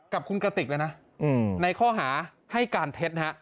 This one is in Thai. กับคุณกระติกเลยนะในข้อหาให้การเท็จ